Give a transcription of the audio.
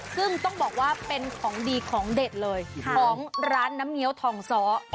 ซึ่งต้องบอกว่าเป็นของดีของเด็ดเลยของร้านน้ำเงี้ยวทองซ้อ